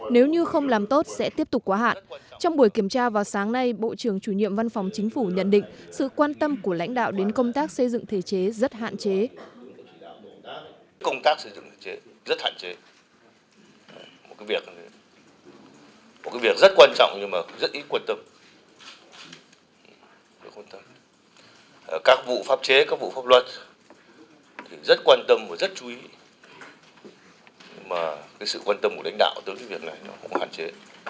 nếu như không làm tốt sẽ tiếp tục quá hạn trong buổi kiểm tra vào sáng nay bộ trưởng chủ nhiệm văn phòng chính phủ nhận định sự quan tâm của lãnh đạo đến công tác xây dựng thể chế rất hạn chế